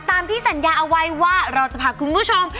ตามที่สัญญาเอาไว้ว่าเราจะพาคุณผู้ชม